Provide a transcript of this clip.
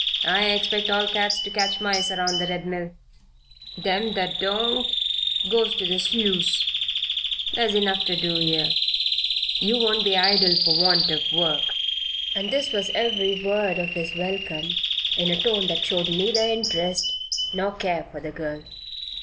I expect all cats to catch mice around the Red Mill. Them that don't goes into the sluice. There's enough to do here. You won't be idle for want of work." And this was every word of his welcome, in a tone that showed neither interest nor care for the girl.